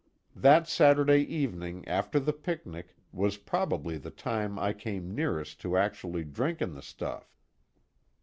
That Saturday evening after the picnic was probably the time I came nearest to actually drinking the stuff."